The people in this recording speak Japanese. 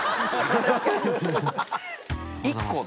１個。